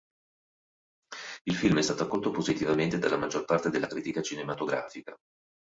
Il film è stato accolto positivamente dalla maggior parte della critica cinematografica.